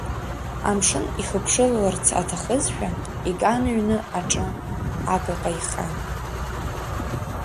Амшын ихыԥшылаларц аҭахызшәа иган ҩны аҿы агаҟа ихан.